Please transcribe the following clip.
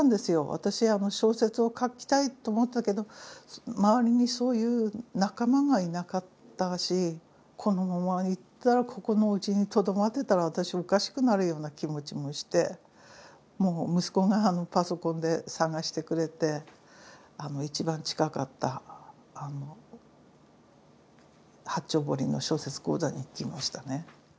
私小説を書きたいって思ってたけど周りにそういう仲間がいなかったしこのままいったらここのおうちにとどまってたら私おかしくなるような気持ちもして息子がパソコンで探してくれて一番近かった八丁堀の小説講座に行きましたね。